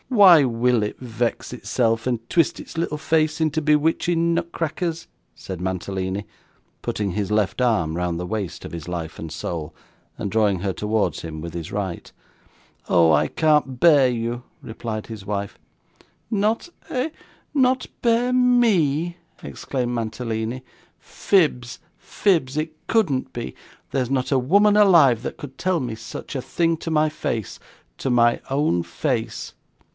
'Why will it vex itself, and twist its little face into bewitching nutcrackers?' said Mantalini, putting his left arm round the waist of his life and soul, and drawing her towards him with his right. 'Oh! I can't bear you,' replied his wife. 'Not eh, not bear ME!' exclaimed Mantalini. 'Fibs, fibs. It couldn't be. There's not a woman alive, that could tell me such a thing to my face to my own face.' Mr.